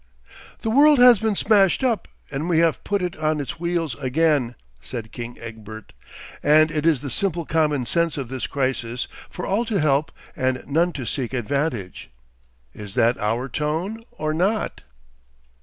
'The world has been smashed up, and we have to put it on its wheels again,' said King Egbert. 'And it is the simple common sense of this crisis for all to help and none to seek advantage. Is that our tone or not?